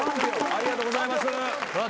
ありがとうございます。